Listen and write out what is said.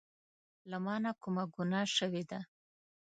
له مانه کومه ګناه شوي ده